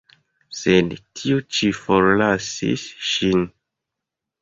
Sed tiu ĉi forlasis ŝin.